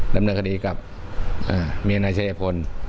ดำเนินคดีกับเมียนายชายพล